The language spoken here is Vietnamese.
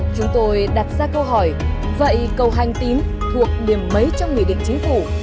chúng tôi đặt ra câu hỏi vậy cầu hành tín thuộc điểm mấy trong nghị định chính phủ